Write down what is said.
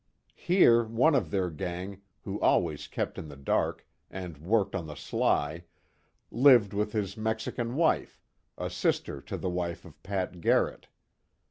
Here one of their gang, who always kept in the dark, and worked on the sly, lived with his Mexican wife, a sister to the wife of Pat Garrett.